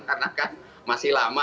karena kan masih lama